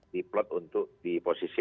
diplot untuk di posisi